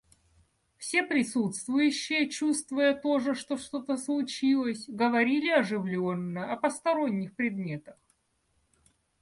Все присутствующие, чувствуя тоже, что что-то случилось, говорили оживленно о посторонних предметах.